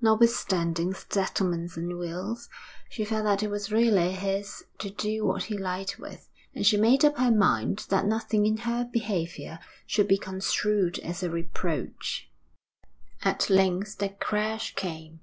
Notwithstanding settlements and wills, she felt that it was really his to do what he liked with, and she made up her mind that nothing in her behaviour should be construed as a reproach. At length the crash came.